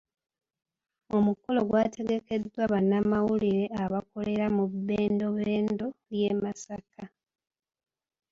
Omukolo gwategekeddwa bannamawulire abakolera mu bbendobendo ly'e Masaka.